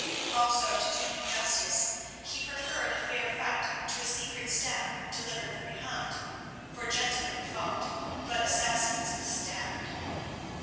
Also, to do him justice, he preferred a fair fight to a secret stab delivered from behind, for gentlemen fought, but assassins stabbed.